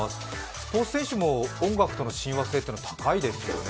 スポーツ選手も音楽との親和性っていうのは高いですよね。